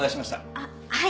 あっはい！